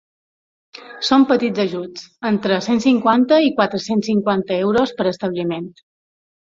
Són petits ajuts, entre cent cinquanta i quatre-cents cinquanta euros per establiment.